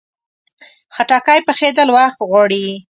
خټکی پخېدل وخت غواړي.